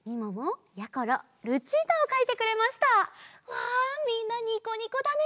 わみんなニコニコだね！